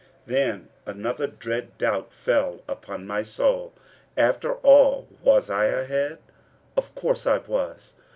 Then another dread doubt fell upon my soul. After all, was I ahead? Of course I was.